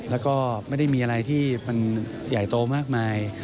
แล้วก็ไม่ได้มีอะไรที่มันใหญ่โตมากมาย